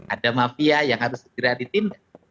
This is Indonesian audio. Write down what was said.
ada mafia yang harus segera ditindak